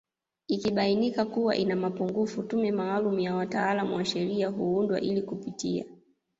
Ikibainika kuwa ina mapungufu tume maalumu ya wataalamu wa sheria huundwa ili kupitia